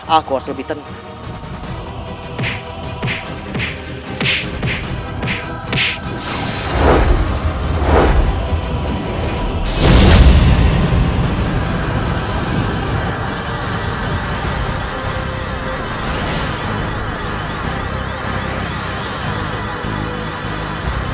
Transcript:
aku harus lebih tenang